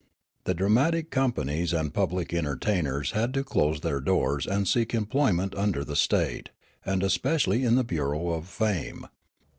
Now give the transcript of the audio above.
The dramatic companies and public entertainers had to close their doors and seek employment under the state, and especially in the Bureau of Fame.